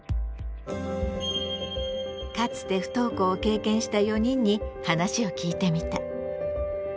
かつて不登校を経験した４人に話を聞いてみた。